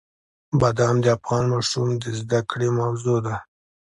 بادام د افغان ماشومانو د زده کړې موضوع ده.